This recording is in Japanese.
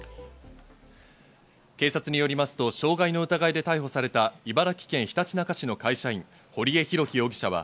警察によりますと傷害の疑いで逮捕された茨城県ひたちなか市の会社員、堀江弘